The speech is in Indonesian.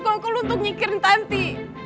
kalau kita suka suka lu untuk nyikirin tanti